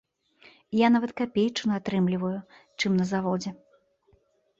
Я нават капейчыну атрымліваю, чым на заводзе.